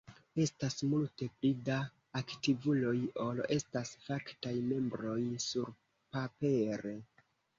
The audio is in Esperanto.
Estas multe pli da aktivuloj ol estas faktaj membroj surpapere.